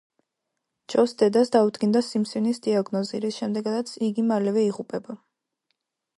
ჯოს დედას დაუდგინდა სიმსივნის დიაგნოზი, რის შემდეგაც იგი მალევე იღუპება.